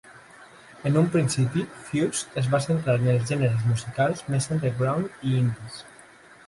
En un principi, Fuse es va centrar en els gèneres musicals més underground i indies.